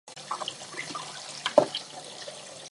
附中的设施和设备取得了长足的发展。